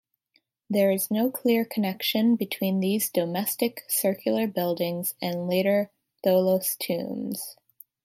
There is no clear connection between these domestic, circular buildings and later tholos tombs.